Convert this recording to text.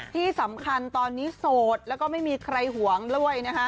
ที่สำคัญตอนนี้โสดแล้วก็ไม่มีใครห่วงด้วยนะคะ